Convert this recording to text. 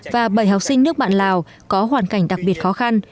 và bảy học sinh nước bạn lào có hoàn cảnh đặc biệt khó khăn